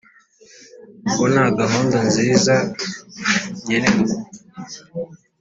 Wo na gahunda nziza nkenerwa